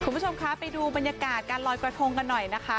คุณผู้ชมคะไปดูบรรยากาศการลอยกระทงกันหน่อยนะคะ